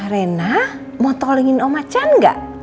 rena mau tolongin om achan gak